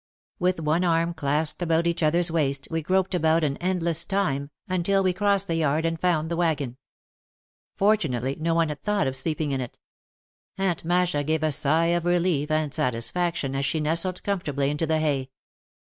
With one arm clasped about each other's waists we groped about an endless time, until we crossed the yard and found the wagon. Fortunately, no one had thought of sleeping in it. Aunt Masha gave a sigh of relief and satisfaction as she nestled comfortably into the hay.